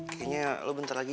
kayaknya lo bentar lagi